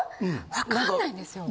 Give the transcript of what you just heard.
分かんないんですよ。